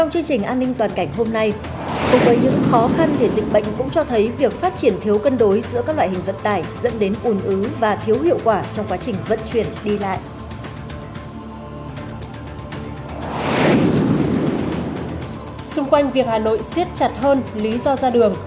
hãy đăng ký kênh để ủng hộ kênh của chúng mình nhé